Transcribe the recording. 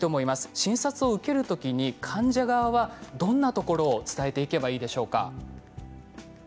診察を受けるときに患者側はどんなところを伝えていけばいいでしょうか。